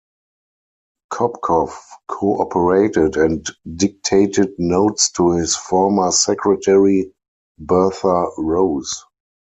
Kopkow cooperated and dictated notes to his former secretary Bertha Rose.